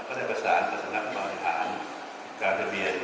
ก็ได้ประสานกับสนับประมาณอาหารการทะเบียน